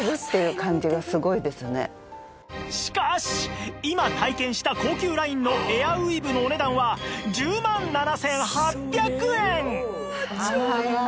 しかし今体験した高級ラインのエアウィーヴのお値段は１０万７８００円！